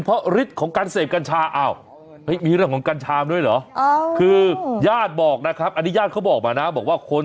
ญาติของหนุ่มคนนี้นะครับเขาบอกว่า